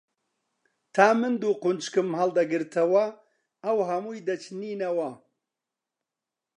تا من دوو قونچکم هەڵدەگرتەوە، ئەو هەمووی دەچنینەوە